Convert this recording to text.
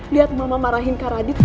lihat mama marahin kakak radit